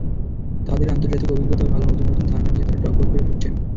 তাঁদের আন্তর্জাতিক অভিজ্ঞতাও ভালো, নতুন নতুন ধারণা নিয়ে তাঁরা টগবগ করে ফুটছেন।